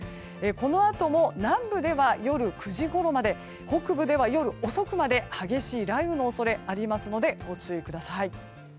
このあとも、南部では夜９時ごろまで北部では夜遅くまで激しい雷雨の恐れがありますのでご注意ください。